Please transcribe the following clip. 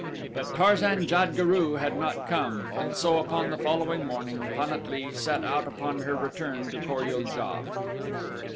But Tarzan jad guru had not come, and so upon the following morning Pan at lee set out upon her return to Kor ul JA.